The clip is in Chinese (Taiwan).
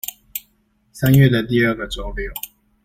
三月的第二個週六